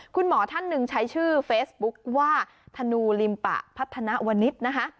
คุณหมอท่านหนึ่งใช้ชื่อเฟซบุ๊กว่าธนูลิมปะพัฒนาวนิดนะคะ